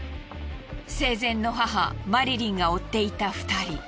生前の母マリリンが追っていた２人。